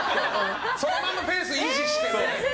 そのままのペースを維持して。